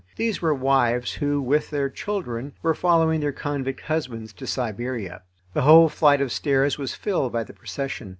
These were wives who, with their children, were following their convict husbands to Siberia. The whole flight of stairs was filled by the procession.